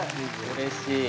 うれしい。